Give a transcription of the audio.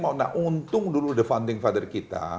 dan itu adalah yang paling penting father kita